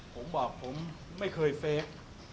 ผมบอกผมไม่เคยเฟฟ